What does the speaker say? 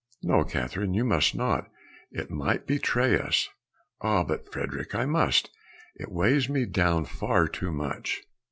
"No, Catherine, you must not, it might betray us." "Ah, but, Frederick, I must, it weighs me down far too much."